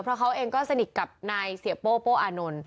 เพราะเขาเองก็สนิทกับนายเสียโป้โป้อานนท์